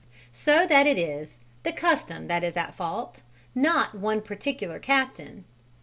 So that it is the custom that is at fault, not one particular captain.